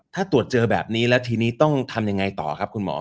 ถ้าตรวจเจอแบบนี้แล้วทีนี้ต้องทำยังไงต่อครับคุณหมอ